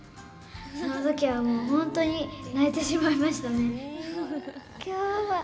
その時はもう本当に泣いてしまいましたね。